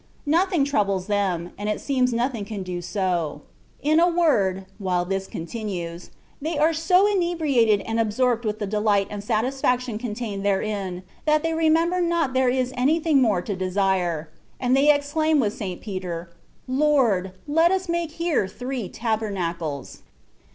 Nothing troubles them, and it s^ms nothing can do so. In a word, while this continues, they are so inebriated and absorpt with the delight and satisfaction contained therein, that they remem« ber not there is anything more to desire ; and they exclaim with St. Peter, ^'Lord, let us make here three tabernacles.